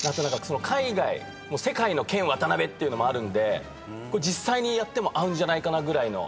海外世界のケン・ワタナベっていうのもあるんでこれ実際にやっても合うんじゃないかなぐらいの。